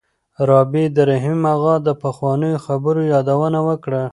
رابعې د رحیم اغا د پخوانیو خبرو یادونه وکړه.